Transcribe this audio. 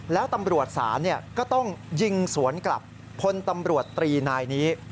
แล้วตำรวจศาลก็ต้องยิงสวนกลับพลตำรวจตรีนายนี้